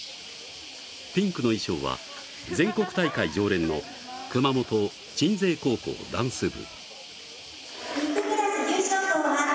ピンクの衣装は全国大会常連の熊本・鎮西高校ダンス部。